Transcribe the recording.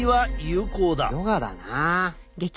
ヨガだなあ。